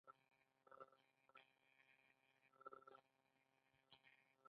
د ګازرې او مڼې جوس ګډول کیږي.